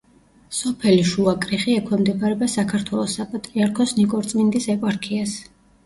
სოფელი შუა კრიხი ექვემდებარება საქართველოს საპატრიარქოს ნიკორწმინდის ეპარქიას.